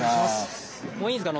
もういいんですか？